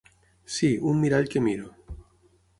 Sí, un mirall que miro.